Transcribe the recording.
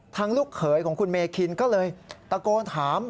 ลูกเขยของคุณเมคินก็เลยตะโกนถาม